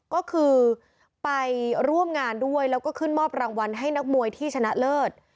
ก็คือไปร่วมงานด้วยแล้วก็ขึ้นมอบรางวัลให้นักมวยที่ชนะเลิศ